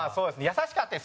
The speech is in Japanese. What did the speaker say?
優しかったです。